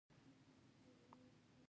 هلته هر څه امکانات شته.